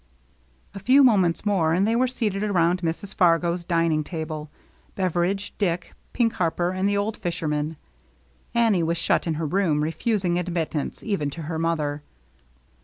A few moments more, and they were seated around Mrs. Fargo's dining table, Beveridge, Dick, Pink Harper, and the old fisherman. Annie was shut in her room, refusing admit tance even to her mother.